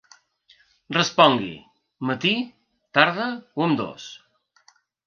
Respongui: matí, tarda o ambdòs.